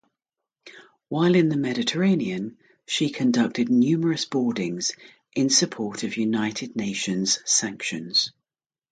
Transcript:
While in the Mediterranean, she conducted numerous boardings in support of United Nations sanctions.